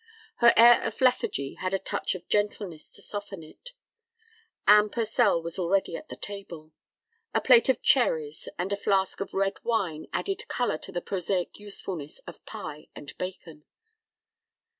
Her air of lethargy had a touch of gentleness to soften it. Anne Purcell was already at the table. A plate of cherries and a flask of red wine added color to the prosaic usefulness of pie and bacon.